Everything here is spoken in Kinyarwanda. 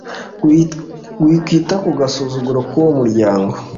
wikwita ku gasuzuguro k’uwo muryango,